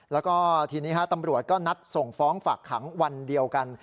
แล้วก็ทีนี้ตำรวจก็นัดส่งฟ้องฝากขังวันเดียวกัน